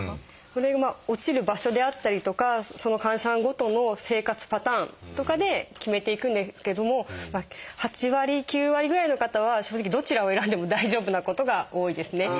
それは落ちる場所であったりとかその患者さんごとの生活パターンとかで決めていくんですけども８割９割ぐらいの方は正直どちらを選んでも大丈夫なことが多いですね。